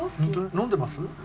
飲んでます。